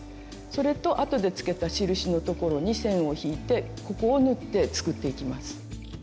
それとあとでつけた印のところに線を引いてここを縫って作っていきます。